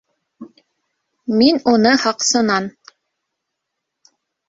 Мин уны һаҡсынан...